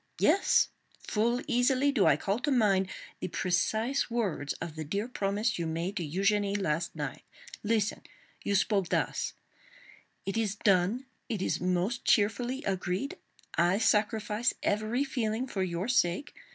Yes; full easily do I call to mind the precise words of the dear promise you made to Eugénie last night. Listen! You spoke thus: 'It is done!—it is most cheerfully agreed! I sacrifice every feeling for your sake.